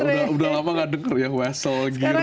sudah lama tidak dengar ya wesel giro